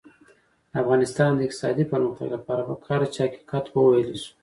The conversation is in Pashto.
د افغانستان د اقتصادي پرمختګ لپاره پکار ده چې حقیقت وویلی شو.